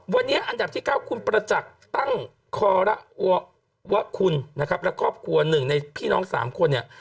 วันนี้อันดับที่๙คุณประจักษ์ตั้งคอระวะคุณนะครับและครอบครัวหนึ่งในพี่น้อง๓คนเนี่ย